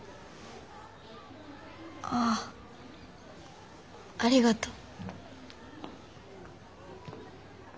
ああありがとう。